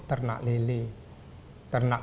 ternak lili ternak